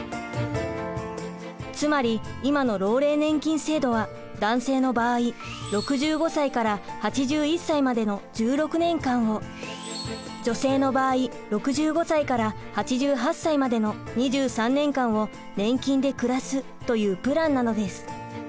つまり今の老齢年金制度は男性の場合６５歳から８１歳までの１６年間を女性の場合６５歳から８８歳までの２３年間を年金で暮らすというプランなのです。